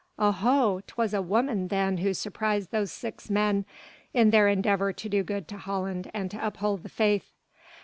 "Oho! 'twas a woman then who surprised those six men in their endeavour to do good to Holland and to uphold the Faith."